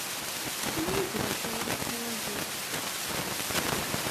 Ini-iyi-d d acu ay teḥwajeḍ.